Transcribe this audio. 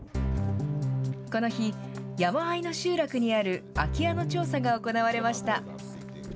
この日、山あいの集落にある空き家の調査が行われました。